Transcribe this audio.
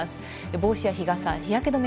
帽子や日傘、日焼け止め